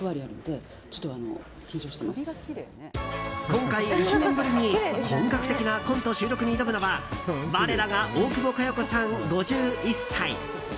今回１年ぶりに本格的なコント収録に挑むのは我らが大久保佳代子さん、５１歳。